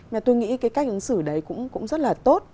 và tôi nghĩ cái cách ứng xử đấy cũng rất là tốt